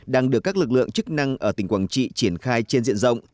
đang được các lực lượng chức năng ở tỉnh quảng trị triển khai trên diện rộng